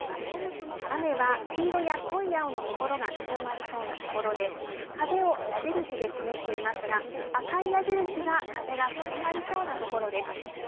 雨は黄色や濃い青の所が強まりそうな所で風を矢印で示していますが赤い矢印が風が強まりそうな所です。